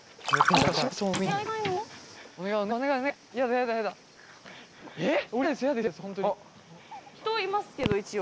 高橋：人いますけど、一応。